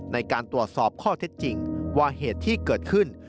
ในการตรวจสอบข้อเท็จจริงว่าเหตุที่เกิดขึ้น